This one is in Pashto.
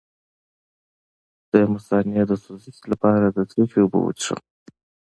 د مثانې د سوزش لپاره د څه شي اوبه وڅښم؟